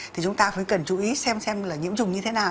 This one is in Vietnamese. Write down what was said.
thì chúng ta phải cần chú ý xem xem là nhiễm trùng như thế nào